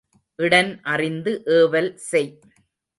இடன் அறிந்து ஏவல் செய்.